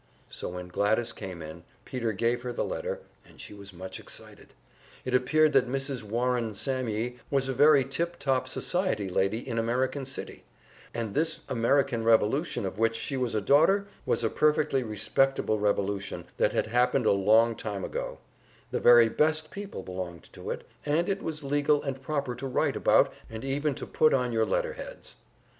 So when Gladys came in, Peter gave her the letter, and she was much excited. It appeared that Mrs. Warring Sammye was a very tip top society lady in American City, and this American Revolution of which she was a daughter was a perfectly respectable revolution that had happened a long time ago; the very best people belonged to it, and it was legal and proper to write about, and even to put on your letterheads.